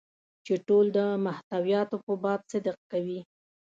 چې ټول د محتویاتو په باب صدق کوي.